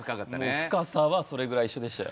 深さはそれぐらい一緒でしたよ。